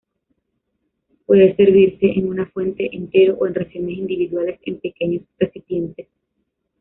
Puede servirse en una fuente entero o en raciones individuales en pequeños recipientes.